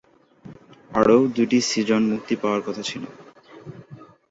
আরও দুটি সিজন মুক্তি পাওয়ার কথা ছিল।